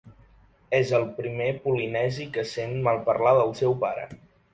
És el primer polinesi que sent malparlar del seu pare.